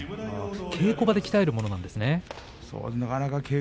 稽古場で鍛えるものなんですね。